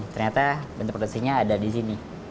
ternyata bentuk produksinya ada di sini